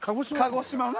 鹿児島な。